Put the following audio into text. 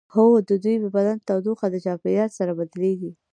هو د دوی د بدن تودوخه د چاپیریال سره بدلیږي